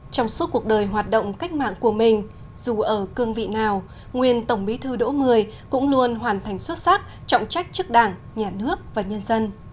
trong suốt cuộc đời hoạt động cách mạng của mình dù ở cương vị nào nguyên tổng bí thư đỗ mười cũng luôn hoàn thành xuất sắc trọng trách trước đảng nhà nước và nhân dân